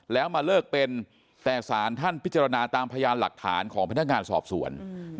แล้วมาเลิกเป็นแต่สารท่านพิจารณาตามพยานหลักฐานของพนักงานสอบสวน